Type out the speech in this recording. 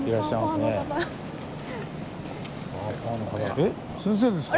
えっ先生ですか？